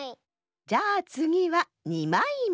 じゃあつぎは２まいめ。